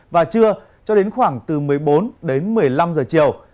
và trưa cho đến khoảng từ một mươi bốn đến một mươi năm giờ chiều